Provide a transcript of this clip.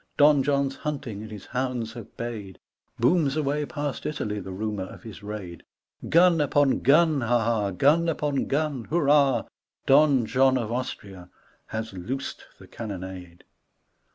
Don John's hunting, and his hounds have bayed Booms away past Italy the rumour of his raid. Gun upon gun, ha 1 ha 1 Gun upon gun, hurrah 1 Don John of Austria Has loosed the cannonade.